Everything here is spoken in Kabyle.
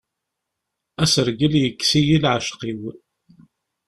Asergel yekkes-iyi leɛceq-iw.